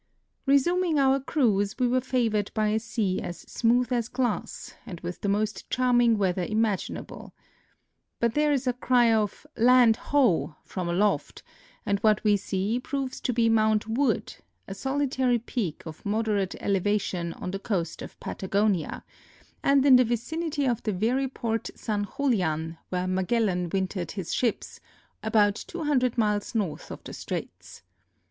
Resuming our cruise, we were favored l)y a sea as smooth as glass and Avith the most charming weather imaginable. But there is a cry of " Land ho !" from aloft, and what we see proves to be Mount Wood, a solitary peak of moderate elevation on the coast of Patagonia, and in the vicinity of the very Port San Ju lian where >Ligellan wintered his ships, about 2(11) miles north of the straits.